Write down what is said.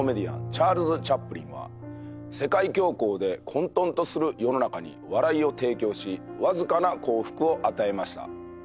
チャールズ・チャップリンは世界恐慌で混とんとする世の中に笑いを提供しわずかな幸福を与えました